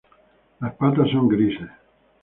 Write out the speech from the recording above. La patas son grises.